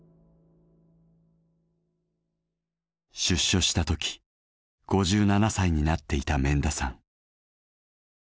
出所したとき５７歳になっていた免田さん。